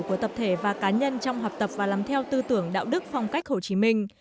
của tập thể và cá nhân trong học tập và làm theo tư tưởng đạo đức phong cách hồ chí minh